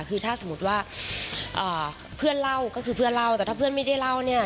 คือถ้าสมมุติว่าเพื่อนเล่าก็คือเพื่อนเล่าแต่ถ้าเพื่อนไม่ได้เล่าเนี่ย